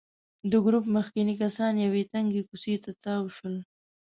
د ګروپ مخکېني کسان یوې تنګې کوڅې ته تاو شول.